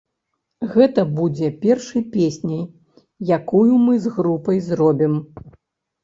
Гэта будзе першай песняй, якую мы з групай зробім.